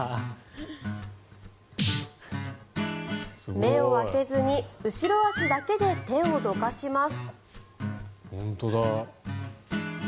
目を開けずに後ろ足だけで手をどかします。